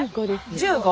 １５？